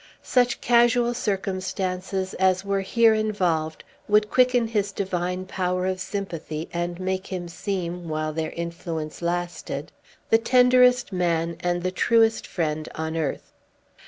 Such casual circumstances as were here involved would quicken his divine power of sympathy, and make him seem, while their influence lasted, the tenderest man and the truest friend on earth.